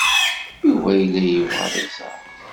Yuba yella yebɣa ad iẓer.